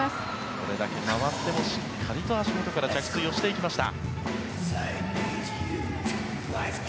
これだけ回ってもしっかり足元から着水をしていきました。